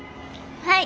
はい。